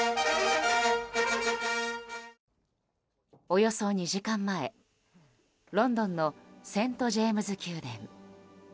およそ２時間前、ロンドンのセント・ジェームズ宮殿。